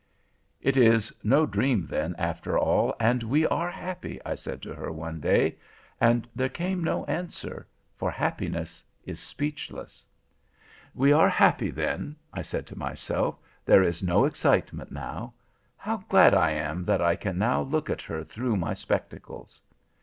"'It is no dream, then, after all, and we are happy,' I said to her, one day; and there came no answer, for happiness is speechless. "We are happy then," I said to myself, "there is no excitement now. How glad I am that I can now look at her through my spectacles."